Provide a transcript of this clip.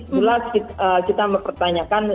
jelas kita mempertanyakan